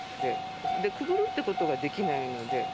くぐるってことができないので。